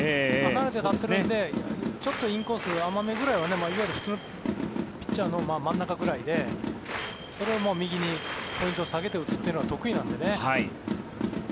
なので、ちょっとインコースの甘めくらいはいわゆる普通のピッチャーの真ん中くらいなのでそれを右にポイントを下げて打つっていうのは得意なんでね。